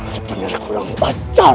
terpener kurang pacar